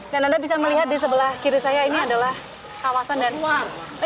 dan anda bisa melihat di sebelah kiri saya ini adalah kawasan dan